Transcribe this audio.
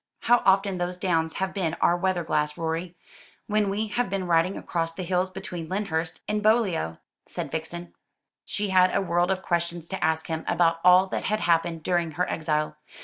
"How often those downs have been our weather glass, Rorie, when we have been riding across the hills between Lyndhurst and Beaulieu," said Vixen. She had a world of questions to ask him about all that had happened during her exile.